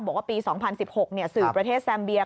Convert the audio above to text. บอกว่าปี๒๐๑๖สื่อประเทศแซมเบีย